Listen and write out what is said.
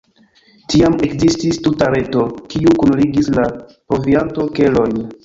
Tiam ekzistis tuta reto, kiu kunligis la provianto-kelojn.